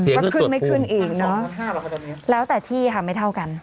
ก็ขึ้นไม่ขึ้นเองเนอะแล้วแต่ที่ค่ะไม่เท่ากัน